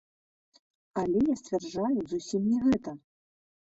Але я сцвярджаю зусім не гэта.